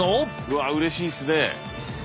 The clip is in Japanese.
わあうれしいっすね。